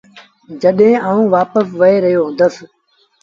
جڏهيݩ آئوٚݩ وآپس وهي رهيو هُندس۔